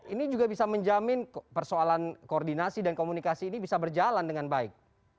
ini juga bisa menjamin persoalan koordinasi dan komunikasi ini bisa berjalan dengan baik